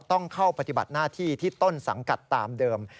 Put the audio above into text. ต้องเข้าปฏิบัติหน้าที่ที่ต้นสังกัดตามเดิม